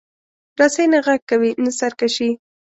رسۍ نه غږ کوي، نه سرکشي.